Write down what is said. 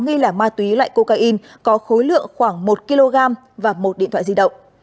nghi là ma túy loại cocaine có khối lượng khoảng một kg và một điện thoại di động